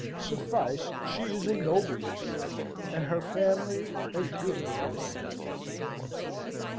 Safice she is a nobleman's daughter, and her family as good as our own."